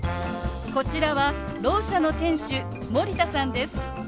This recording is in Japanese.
こちらはろう者の店主森田さんです。